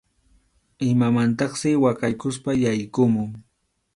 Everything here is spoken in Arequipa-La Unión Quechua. Hinamantaqsi waqaykuspa yaykumun.